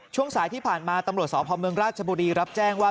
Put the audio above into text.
ช่วงสายที่ผ่านมาตำรวจสพเมืองราชบุรีรับแจ้งว่า